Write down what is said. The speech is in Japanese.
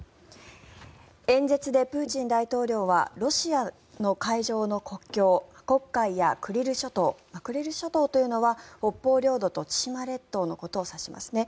演説でプーチン大統領はロシアの海上の国境黒海やクリル諸島クリル諸島というのは北方領土と千島列島のことを指しますね。